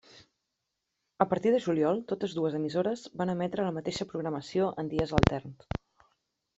A partir de juliol totes dues emissores van emetre la mateixa programació en dies alterns.